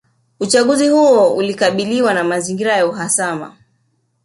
Uchaguzi huo ulikabiliwa na mazingira ya uhasama